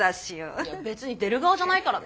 いや別に出る側じゃないからね。